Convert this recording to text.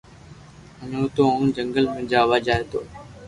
ھين تو اوني جنگل ۾ جووا جائي تو